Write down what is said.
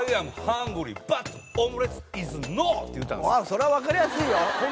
そりゃ分かりやすいよ！